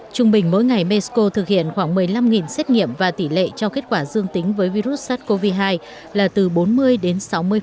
trung bình mỗi ngày mexico thực hiện khoảng một mươi năm xét nghiệm và tỷ lệ cho kết quả dương tính với virus sars cov hai là từ bốn mươi đến sáu mươi